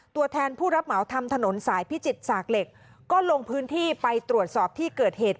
ตัวแทนผู้รับเหมาทำถนนสายพิจิตรสากเหล็กก็ลงพื้นที่ไปตรวจสอบที่เกิดเหตุ